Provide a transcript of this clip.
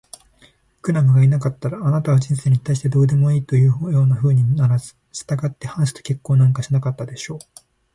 クラムがいなかったら、あなたは人生に対してどうでもいいというようなふうにはならず、したがってハンスと結婚なんかしなかったでしょう。